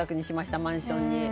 マンションに。